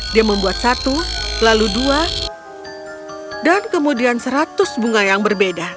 dia membuat satu lalu dua dan kemudian seratus bunga yang berbeda